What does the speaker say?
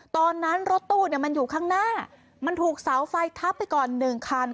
ตอนนั้นรถตู้มันอยู่ข้างหน้ามันถูกเสาไฟทับไปก่อน๑คัน